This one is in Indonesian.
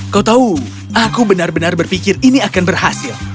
kau tahu aku benar benar berpikir ini akan berhasil